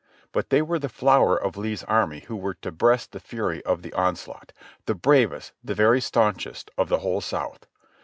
but they were the flower of Lee's army who were to breast the fury of the on set— the bravest, the very staunchest of the whole South.